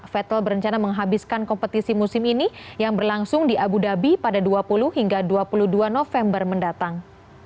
vettle berencana menghabiskan kompetisi musim ini yang berlangsung di abu dhabi pada dua puluh hingga dua puluh dua november mendatang